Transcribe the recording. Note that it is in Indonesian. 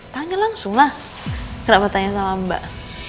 tanya langsung lah kenapa tanya sama mbak